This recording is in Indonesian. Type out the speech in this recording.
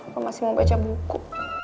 gue masih mau baca buku